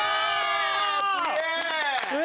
すげえ！